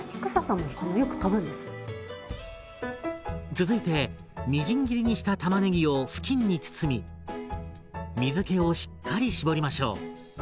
続いてみじん切りにしたたまねぎを布巾に包み水けをしっかり絞りましょう。